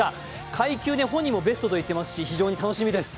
階級で本人もベストと言っていますし、楽しみです！